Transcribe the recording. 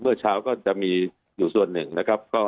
เมื่อเช้าก็จะมีอยู่ส่วนหนึ่งนะครับ